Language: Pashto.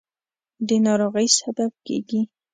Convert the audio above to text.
د ناروغۍ سبب کېږي.